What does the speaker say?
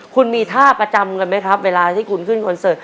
คุณมีท่าประจำกันไหมครับเวลาที่คุณขึ้นคอนเสิร์ต